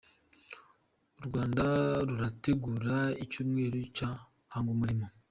Urwanda Rurategura icyumweru cya Hanga Umurimo